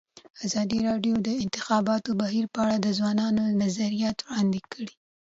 ازادي راډیو د د انتخاباتو بهیر په اړه د ځوانانو نظریات وړاندې کړي.